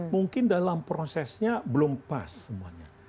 mungkin dalam prosesnya belum pas semuanya